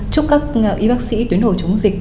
chúc các y bác sĩ tuyến hồ chống dịch